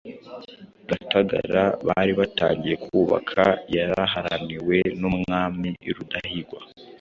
Gatagara bari batangiye kubaka, yaraharaniwe n'umwami Mutara Rudahigwa,